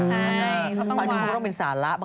ตอนนี้ก็มีสาระ